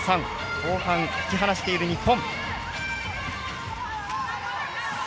後半、引き離している日本。